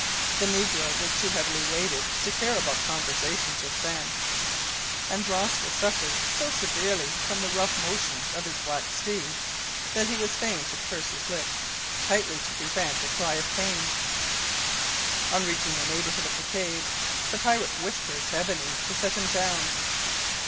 The negro was too heavily weighted to care about conversation just then, and Rosco suffered so severely from the rough motions of his black steed that he was fain to purse his lips tightly to prevent a cry of pain. On reaching the neighbourhood of the cave the pirate whispered to Ebony to set him down.